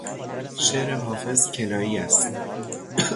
شعر حافظ کنایی است.